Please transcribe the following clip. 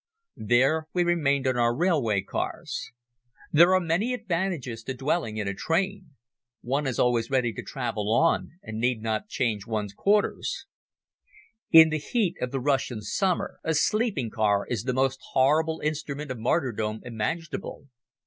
There we remained in our railway cars. There are many advantages in dwelling in a train. One is always ready to travel on and need not change one's quarters. In the heat of the Russian summer a sleeping car is the most horrible instrument of martyrdom imaginable.